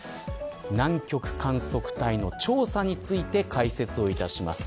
南極観測隊の調査について解説します。